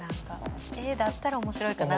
Ａだったら面白いかな。